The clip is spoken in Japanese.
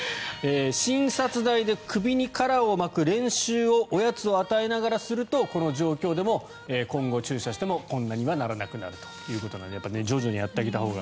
診察台で首にカラーを巻く練習をおやつを与えながらするとこの状況でも今後、注射してもこんなにはならなくなるということで徐々にやってあげたほうが。